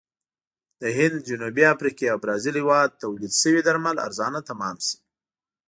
د هند، جنوبي افریقې او برازیل هېواد تولید شوي درمل ارزانه تمام شي.